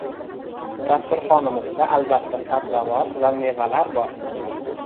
Dasturxonimizda albatta sabzavot va mevalar bor.